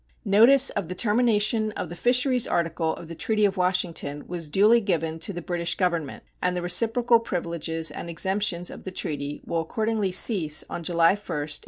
Notice of the termination of the fisheries articles of the treaty of Washington was duly given to the British Government, and the reciprocal privileges and exemptions of the treaty will accordingly cease on July 1, 1885.